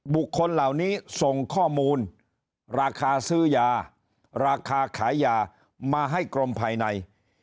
บุคคลเหล่านี้ส่งข้อมูลราคาซื้อยาราคาขายยามาให้กรมภายใน